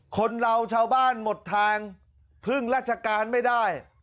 คนเราชาวบ้านหมดทางพึ่งราชการไม่ได้